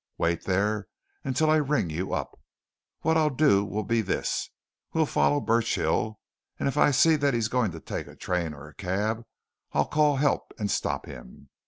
Wait there until I ring you up! What I'll do will be this we'll follow Burchill, and if I see that he's going to take to train or cab I'll call help and stop him.